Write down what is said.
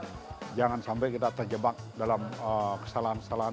jangan sampai kita terjebak dalam kesalahan kesalahan